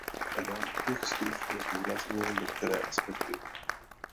Rád bych stručně zdůraznil některé aspekty.